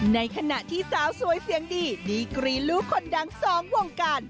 ในขณะที่สาวสวยเสียงดีดีกรีลูกคนดังสองวงการ